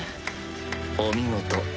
お見事。